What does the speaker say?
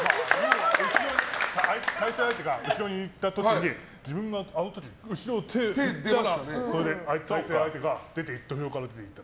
対戦相手が後ろに行った時に自分が、手を振ったらそれで対戦相手が土俵から出ていった。